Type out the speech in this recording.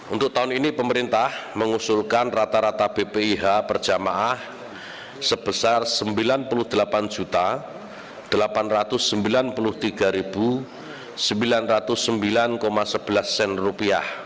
untuk tahun ini pemerintah mengusulkan rata rata bpih per jemaah sebesar rp sembilan puluh delapan delapan ratus sembilan puluh tiga sembilan ratus sembilan sebelas